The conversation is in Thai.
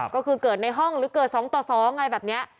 ก็คือเกิดในห้องหรือเกิดสองต่อสองอะไรแบบเนี่ย